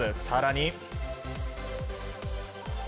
更に。